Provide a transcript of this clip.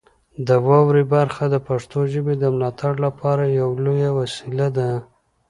د واورئ برخه د پښتو ژبې د ملاتړ لپاره یوه لویه وسیله ده.